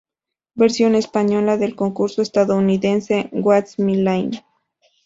Versión española del concurso estadounidense "What's My Line?